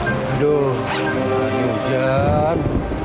aduh malah hujan